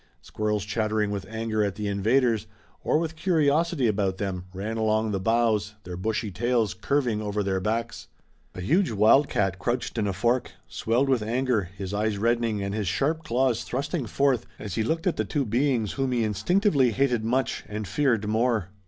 Squirrels chattering with anger at the invaders, or with curiosity about them, ran along the boughs, their bushy tails curving over their backs. A huge wildcat crouched in a fork, swelled with anger, his eyes reddening and his sharp claws thrusting forth as he looked at the two beings whom he instinctively hated much and feared more.